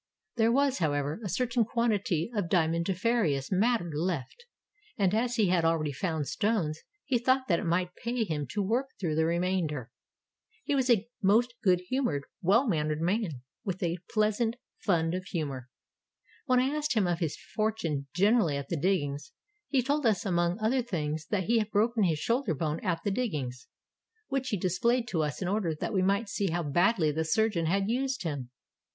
There was, however, a certain quantity of diamondiferous matter left, and as he had already found stones he thought that it might pay him to work through the remainder. He was a most good humored, well mannered man, with a pleasant fund of humor. When I asked him of his fortune generally at the diggings, he told us among other things that he had broken his shoulder bone at the diggings, which he displayed to us in order that we might see how badly the surgeon had used him.